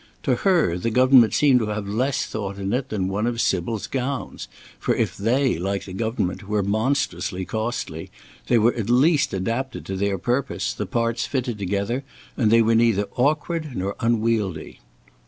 To her the government seemed to have less thought in it than one of Sybil's gowns, for if they, like the government, were monstrously costly, they were at least adapted to their purpose, the parts fitted together, and they were neither awkward nor unwieldy.